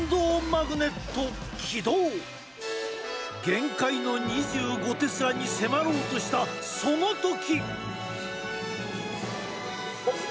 限界の２５テスラに迫ろうとしたその時。